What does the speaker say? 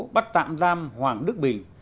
bắt tạm giam hoàng đức bình